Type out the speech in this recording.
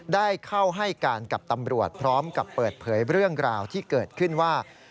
ได้เข้าให้การกับตำรวจพร้อมกับเปิดเผยเรื่องราวที่เกิดขึ้นว่า